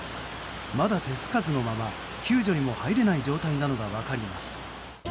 まだ手付かずのまま、救助にも入れない状態なのが分かります。